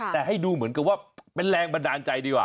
แต่ให้ดูเหมือนกับว่าเป็นแรงบันดาลใจดีกว่า